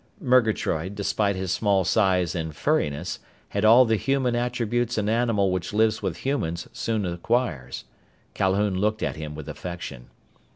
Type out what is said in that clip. Murgatroyd, despite his small size and furriness, had all the human attributes an animal which lives with humans soon acquires. Calhoun looked at him with affection.